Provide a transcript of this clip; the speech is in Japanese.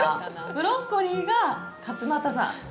ブロッコリーが勝俣さん。